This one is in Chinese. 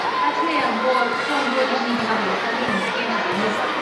他出演过众多迪士尼频道的原创电影及电视节目。